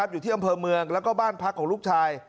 อยู่ที่อำเภอเมืองแล้วก็บ้านพักของลูกชาย